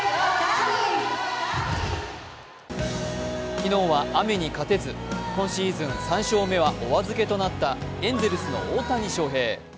昨日は雨に勝てず、今シーズンは３勝目はお預けとなったエンゼルスの大谷翔平。